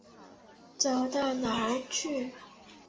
走到哪儿去。